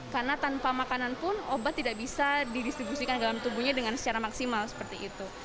karena tanpa makanan pun obat tidak bisa didistribusikan dalam tubuhnya dengan secara maksimal seperti itu